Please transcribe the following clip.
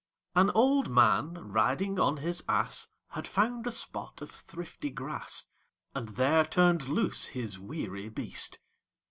An old man, riding on his ass, Had found a spot of thrifty grass, And there turn'd loose his weary beast.